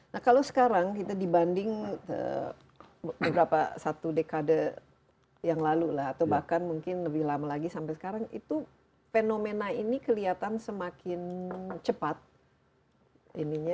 nah kalau sekarang kita dibanding beberapa satu dekade yang lalu lah atau bahkan mungkin lebih lama lagi sampai sekarang itu fenomena ini kelihatan semakin cepat ininya